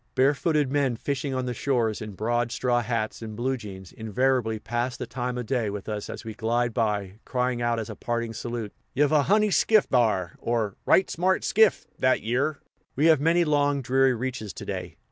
Barefooted men fishing on the shores, in broad straw hats, and blue jeans, invariably "pass the time o' day" with us as we glide by, crying out as a parting salute, "Ye've a honey skiff, thar!" or, "Right smart skiff, thet yere!" We have many long, dreary reaches to day.